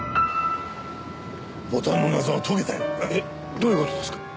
どういう事ですか？